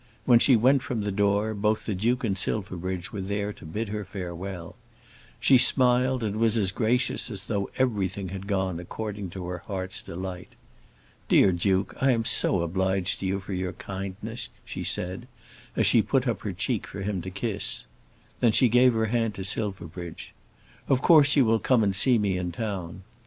When she went from the door, both the Duke and Silverbridge were there to bid her farewell. She smiled and was as gracious as though everything had gone according to her heart's delight. "Dear Duke, I am so obliged to you for your kindness," she said, as she put up her cheek for him to kiss. Then she gave her hand to Silverbridge. "Of course you will come and see me in town."